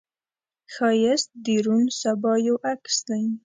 ښایست د روڼ سبا یو عکس دی